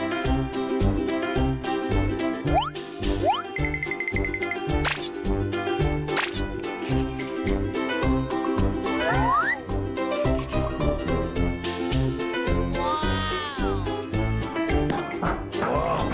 โรงพยาบาลศูนย์บริการดูแลผู้สูงอายุ